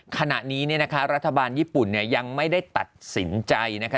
ขณะนี้เนี่ยนะคะรัฐบาลญี่ปุ่นยังไม่ได้ตัดสินใจนะคะ